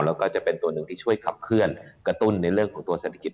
แล้วก็จะเป็นตัวหนึ่งที่ช่วยขับเคลื่อนกระตุ้นในเรื่องของตัวเศรษฐกิจ